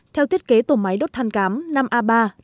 theo thiết kế tổ máy đốt than cám năm a ba năm a bốn